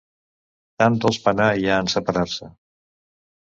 Tan dolç penar hi ha en separar-se